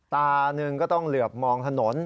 ตาหนึ่งก็ต้องเหลือบมองถนน